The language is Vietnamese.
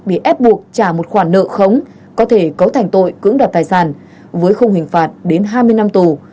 bị ép buộc trả một khoản nợ khống có thể cấu thành tội cưỡng đoạt tài sản với khung hình phạt đến hai mươi năm tù